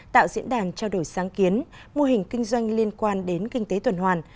tạo diễn đàn trao đổi sáng kiến mô hình kinh doanh liên quan đến kinh tế tuần hoàn